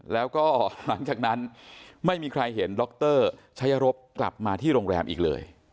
แล้วก็หลังจากนั้นไม่มีใครเห็นดรชัยรบกลับมาที่โรงแรมอีกเลย